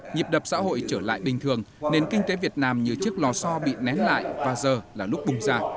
nhịp đập xã hội trở lại bình thường nền kinh tế việt nam như chiếc lò so bị nén lại và giờ là lúc bùng ra